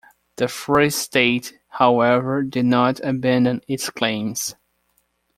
The Free State, however, did not abandon its claims.